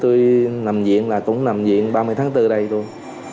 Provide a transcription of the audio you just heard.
tôi nằm viện là cũng nằm viện ba mươi tháng bốn đây thôi